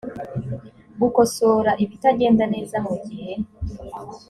gukosora ibitagenda neza mu gihe